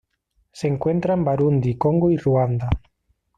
Se encuentra en Burundi, Congo y Ruanda.